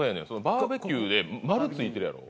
「バーベキュー。」で丸ついてるやろ。